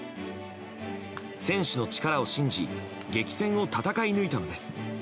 選手の力を信じ激戦を戦い抜いたのです。